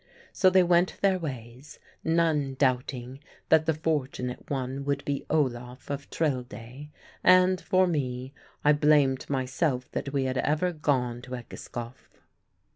So they went their ways, none doubting that the fortunate one would be Olaf of Trelde; and, for me, I blamed myself that we had ever gone to Egeskov.